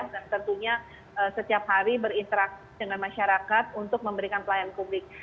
dan tentunya setiap hari berinteraksi dengan masyarakat untuk memberikan pelayanan publik